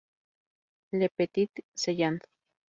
Le Petit-Celland